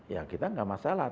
ya kita enggak masalah